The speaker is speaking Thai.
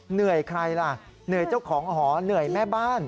เหนื่อยใครล่ะเหนื่อยเจ้าของหอเหนื่อยแม่บ้าน